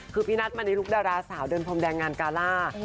คือพี่นัทมณีลุกดาราสาวเดินพรมแดงงานกาล่า